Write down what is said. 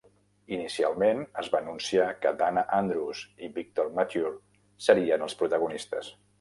Inicialment, es va anunciar que Dana Andrews i Victor Mature serien els protagonistes.